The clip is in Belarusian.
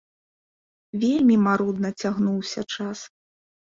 Вельмі марудна цягнуўся час.